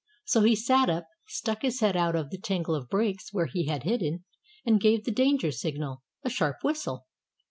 So he sat up, stuck his head out of the tangle of brakes where he had hidden, and gave the danger signal, a sharp whistle.